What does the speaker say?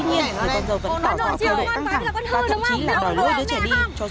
tuy nhiên người con dâu vẫn thỏa khỏi cơ độ căng thẳng và thậm chí là đòi nuôi đứa trẻ đi cho dù nó đã bật khóc